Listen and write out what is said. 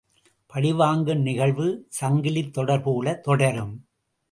பழிவாங்கும் நிகழ்வு சங்கிலித்தொடர் போலத் தொடரும்.